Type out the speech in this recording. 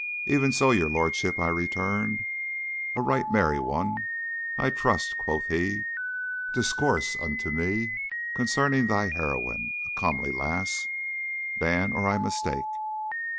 'Even so, your lordship,' I returned. 'A right merry one, I trust,' quoth he. 'Discourse unto me concerning thy heroine, a comely lass, Dan, or I mistake.